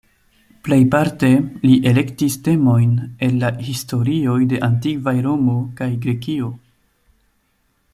Plejparte li elektis temojn el la historioj de antikvaj Romo kaj Grekio.